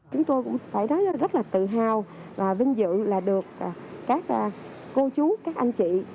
chúng tôi cũng phải nói rất là tự hào và vinh dự là được các cô chú các anh chị